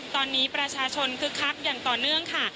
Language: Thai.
ตอนนี้ประชาชนคึกคักอย่างต่อเนื่องค่ะ